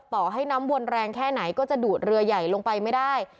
ต่อให้น้ำวนแรงแค่ไหนก็จะดูดเรือใหญ่ลงไปไม่ได้